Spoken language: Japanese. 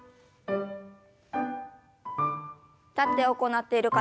立って行っている方